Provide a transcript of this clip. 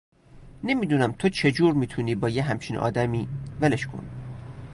نمی دونم تو چه جوری می تونی با یه همچین آدمی، ولش کن